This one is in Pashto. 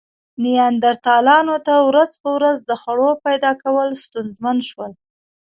نیاندرتالانو ته ورځ په ورځ د خوړو پیدا کول ستونزمن شول.